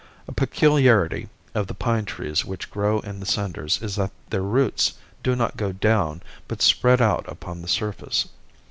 A peculiarity of the pine trees which grow in the cinders is that their roots do not go down but spread out upon the surface.